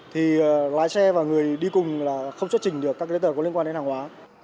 thì lái xe và người đi cùng là không xuất trình được các giấy tờ có liên quan đến hàng hóa